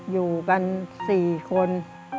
อยู่กันสี่คน